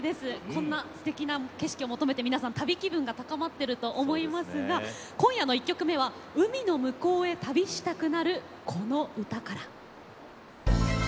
こんなすてきな景色を求めて皆さん旅気分が高まってると思いますが今夜の１曲目は海の向こうへ旅したくなるこの歌から。